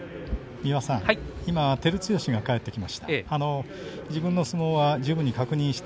今、照強が帰ってきました。